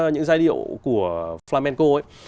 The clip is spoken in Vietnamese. những giai điệu của flamenco ấy